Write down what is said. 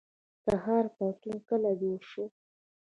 تخار پوهنتون کله جوړ شو؟